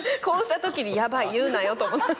こうしたときにヤバい言うなよ